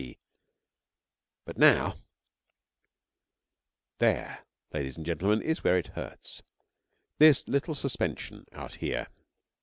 B.C. But now ... There, ladies and gentlemen, is where it hurts, this little suspension out here.